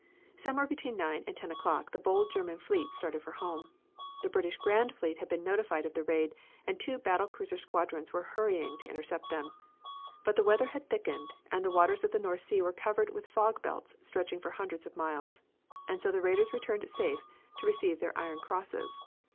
Somewhere between nine and ten o'clock the bold German fleet started for home. The British Grand Fleet had been notified of the raid and two battle cruiser squadrons were hurrying to intercept them. But the weather had thickened and the waters of the North Sea were covered with fog belts stretching for hundreds of miles. And so the raiders returned safe to receive their Iron Crosses.